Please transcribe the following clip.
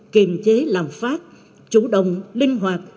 kiềm chế làm phát chủ động linh hoạt